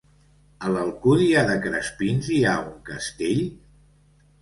A l'Alcúdia de Crespins hi ha un castell?